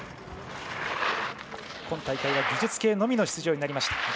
今大会は技術系のみの出場になりました。